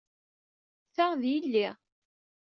Ta, d yelli.